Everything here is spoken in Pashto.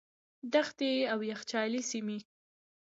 دښتې او یخچالي سیمې.